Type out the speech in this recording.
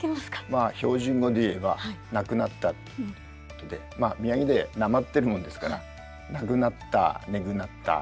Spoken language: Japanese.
まあ標準語で言えば「なくなった」っていうことで宮城でなまってるもんですからなくなったねぐなったー。